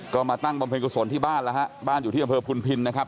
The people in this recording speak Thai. ก็มาตั้งบำเพ็ญกุศลที่บ้านแล้วฮะบ้านอยู่ที่อำเภอพุนพินนะครับ